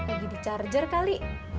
lagi di charger kali